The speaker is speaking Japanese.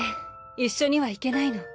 一緒には行けないの。